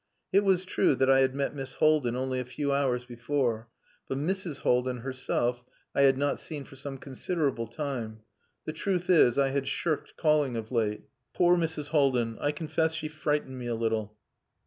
It was true that I had met Miss Haldin only a few hours before, but Mrs. Haldin herself I had not seen for some considerable time. The truth is, I had shirked calling of late. Poor Mrs. Haldin! I confess she frightened me a little.